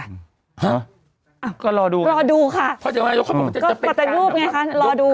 รอดูค่ะก็จะรูปไงค่ะรอดู